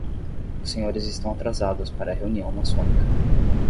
Os senhores estão atrasados para a reunião maçônica